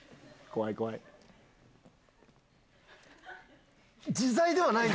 怖い、怖い。